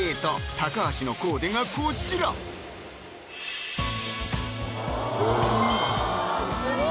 高橋のコーデがこちらわぁスゴい